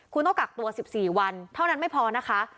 คุณต้องกักตัว๑๔วันเท่านั้นไม่พอนะคะ